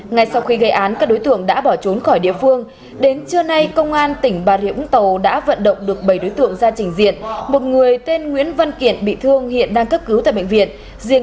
ngay sau khi gây án các đối tượng đã bỏ trốn khỏi địa phương